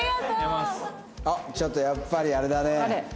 あっちょっとやっぱりあれだね。